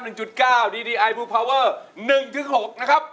หนึ่งจุดเก้าดีดีไอบูพาวเวอร์หนึ่งถึงหกนะครับ